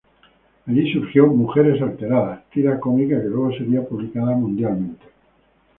Allí surgió "Mujeres alteradas", tira cómica que luego sería publicada mundialmente.